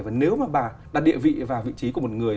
và nếu mà bà đặt địa vị vào vị trí của một người